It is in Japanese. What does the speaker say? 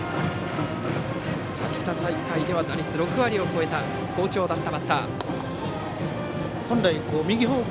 地方大会では打率６割を超えた好調だったバッター。